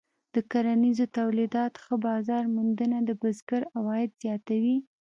د کرنیزو تولیداتو ښه بازار موندنه د بزګر عواید زیاتوي.